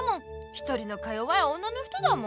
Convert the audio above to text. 一人のか弱い女の人だもん。